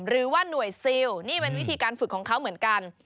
หรือว่าหน่วยซิลนี่เป็นวิธีการฝึกของเขาเหมือนกัน